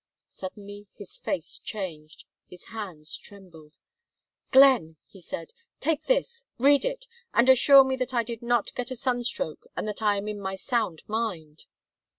Suddenly his face changed, his hands trembled. "Glenn," he said, "take this, read it, and assure me that I did not get a sunstroke and that I am in my sound mind."